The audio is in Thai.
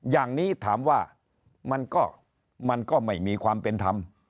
อย่างนี้ถามว่ามันก็ไม่มีความเป็นธรรม